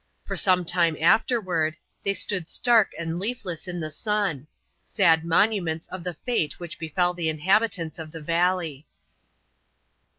For some time afterward, they stood stark and leafless in the sun ; sad monuments of the fate which befell the inhabitants of the valley.